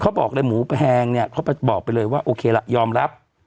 บอกเลยหมูแพงเนี่ยเขาบอกไปเลยว่าโอเคละยอมรับ